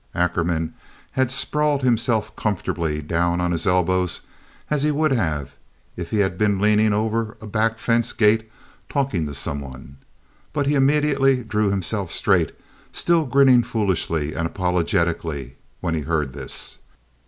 Ackerman had sprawled himself comfortably down on his elbows as he would have if he had been leaning over a back fence gate talking to some one, but he immediately drew himself straight, still grinning foolishly and apologetically, when he heard this.